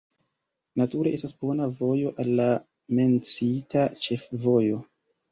Nature estas bona vojo al la menciita ĉefvojo.